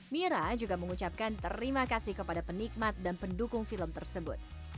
mira juga mengucapkan terima kasih kepada penikmat dan pendukung film tersebut